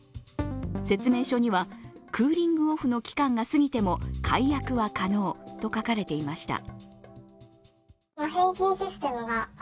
説明書にはクーリングオフの期間が過ぎても解約は可能と書かれていました。